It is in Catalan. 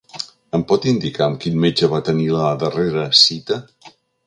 Em pot indicar amb quin metge va tenir la darrera cita?